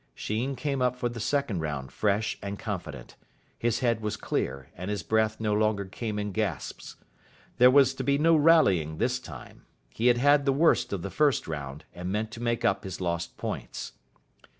Sheen came up for the second round fresh and confident. His head was clear, and his breath no longer came in gasps. There was to be no rallying this time. He had had the worst of the first round, and meant to make up his lost points.